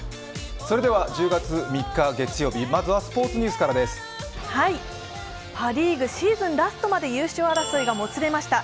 それでは、１０月３日月曜日パ・リーグシーズンラストまで優勝争いがもつれました。